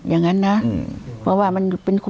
อย่างนั้นนะเพราะว่ามันเป็น